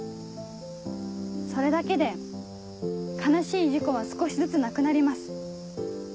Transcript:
それだけで悲しい事故は少しずつなくなります。